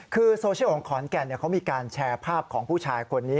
คือโซเชียลของขอนแก่นเขามีการแชร์ภาพของผู้ชายคนนี้